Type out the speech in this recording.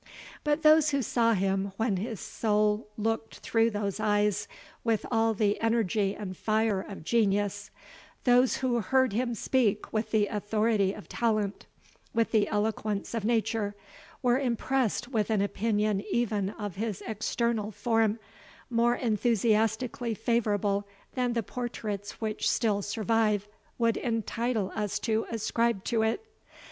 But those who saw him when his soul looked through those eyes with all the energy and fire of genius those who heard him speak with the authority of talent, and the eloquence of nature, were impressed with an opinion even of his external form, more enthusiastically favourable than the portraits which still survive would entitle us to ascribe to it.